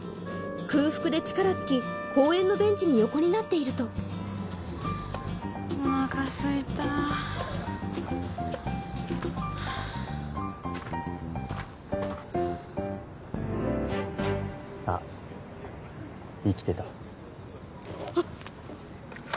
空腹で力尽き公園のベンチに横になっているとおなかすいたはああっ生きてたあっ！